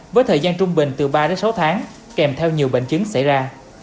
với thời gian trung bình từ ba đến sáu tháng kèm theo nhiều bệnh chứng xảy ra